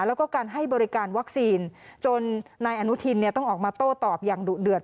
แล้วก็การให้บริการวัคซีนจนนายอนุทินเนี่ยต้องออกมาโต้ตอบอย่างดุเดือด